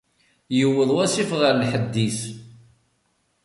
Yewweḍ wasif ɣer lḥedd-is!